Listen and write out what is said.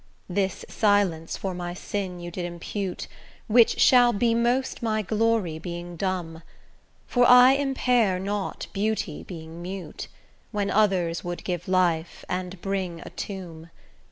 This silence for my sin you did impute, Which shall be most my glory being dumb; For I impair not beauty being mute, When others would give life, and bring a tomb.